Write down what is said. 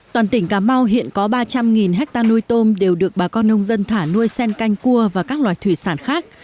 toàn tỉnh cà mau hiện có ba trăm linh hectare nuôi tôm đều được bà con nông dân thả nuôi sen canh cua và các loài thủy sản khác